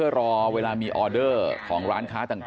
มันต้องการมาหาเรื่องมันจะมาแทงนะ